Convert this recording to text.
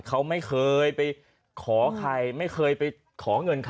เขาไม่เคยไปขอใครไม่เคยไปขอเงินใคร